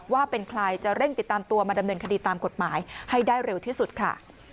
ว่าเป็นใครจะเร่งติดตามตัวมาดำเนินคดีตามกฎหมายให้ได้เร็วที่สุดค่ะ